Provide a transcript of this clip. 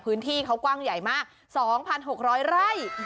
พื้นที่เขากว้างใหญ่มาก๒๖๐๐ไร่